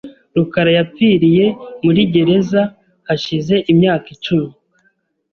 rukara yapfiriye muri gereza hashize imyaka icumi .